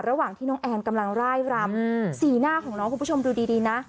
ระหว่างที่น้องแอนกำลังร่ายรำสีหน้าของน้องคุณผู้ชมดูดีนะ